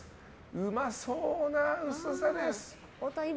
うまそうな薄さです。